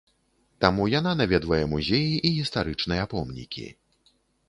Таму яна наведвае музеі і гістарычныя помнікі.